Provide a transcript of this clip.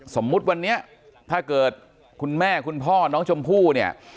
สมมุติวันนี้ถ้าเกิดคุณแม่คุณพ่อน้องชมพู่เนี่ย